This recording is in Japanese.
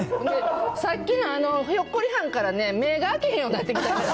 さっきのあのひょっこりはんからね、目が開けへんようになってきた。